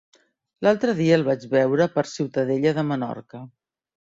L'altre dia el vaig veure per Ciutadella de Menorca.